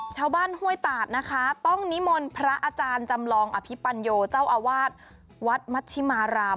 ห้วยตาดนะคะต้องนิมนต์พระอาจารย์จำลองอภิปัญโยเจ้าอาวาสวัดมัชชิมาราม